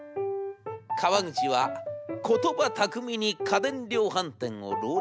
川口は言葉巧みに家電量販店を籠絡。